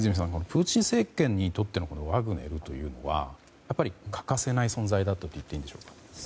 プーチン政権にとってのワグネルというのは欠かせない存在だったといっていいんでしょうか。